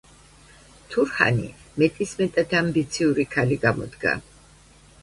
თურჰანი მეტისმეტად ამბიციური ქალი გამოდგა.